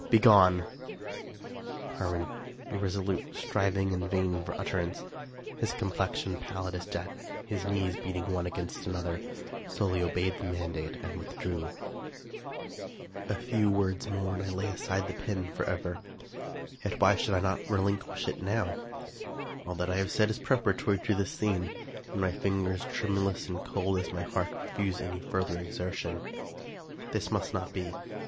Begone !" Carwin, irresolute, striving in vain for utterance, his complexion pallid as death, his knees beating one against another, slowly obeyed the mandate and withdrew. 291 American Mystery Stories II A FEW words more and I lay aside the pen forever. Yet why should I not relinquish it now? All that I have said is preparatory to this scene, and my fingers, tremulous and cold as my heart, refuse any further exertion. This must not be.